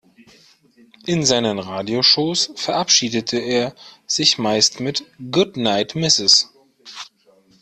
In seinen Radio-Shows verabschiedete er sich meist mit „Goodnight Mrs.